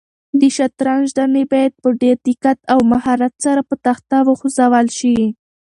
د شطرنج دانې باید په ډېر دقت او مهارت سره په تخته وخوځول شي.